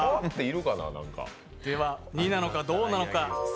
では、２なのかどうなのか。